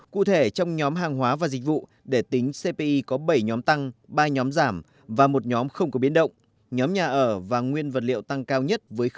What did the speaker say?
cụ thể trong nhóm hàng hóa và dịch vụ để tính cpi có bảy nhóm tăng ba nhóm giảm và một nhóm không có biến động nhóm nhà ở và nguyên vật liệu tăng cao nhất với hai